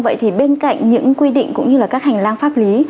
vậy thì bên cạnh những quy định cũng như là các hành lang pháp lý